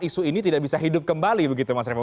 isu ini tidak bisa hidup kembali begitu mas revo